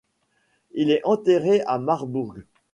Il est enterré à Marbourg.